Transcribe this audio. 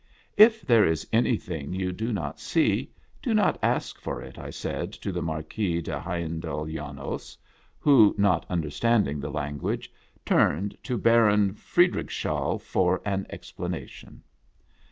" If there is anything you do not see, do not ask for it," I said to the Marquis of Hunyadi Janos, who, not understanding the language, turned to Baron Friderickshall for an explanation.